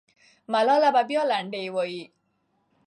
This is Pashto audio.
ملالۍ به بیا لنډۍ وایي.